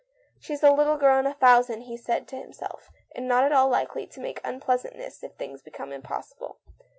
" She's a little girl in a thousand," he said to himself, " and not at all likely to make unpleasantness if things become impos sible.